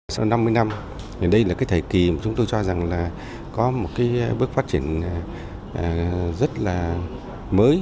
sau năm mươi năm đây là cái thời kỳ mà chúng tôi cho rằng là có một cái bước phát triển rất là mới